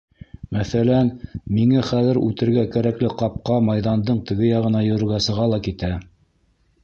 Мәҫәлән, миңә хәҙер үтергә кәрәкле ҡапҡа майҙандың теге яғына йөрөргә сыға ла китә!